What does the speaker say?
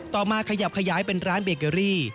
ต่อมาขยับขยายเป็นร้านเบเกอรี่